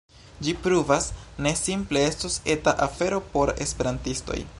Ĝi pruvas ne simple estos eta afero por esperantistoj